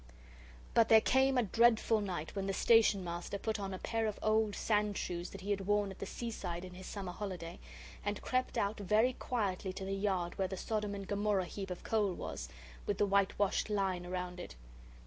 But there came a dreadful night when the Station Master put on a pair of old sand shoes that he had worn at the seaside in his summer holiday, and crept out very quietly to the yard where the Sodom and Gomorrah heap of coal was, with the whitewashed line round it.